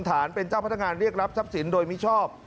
ฐานเป็นเจ้าพนักงานเรียกรับทรัพย์สินโดยมิชอบ